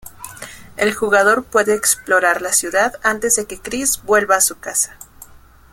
El jugador puede explorar la ciudad antes de que Kris vuelva a su casa.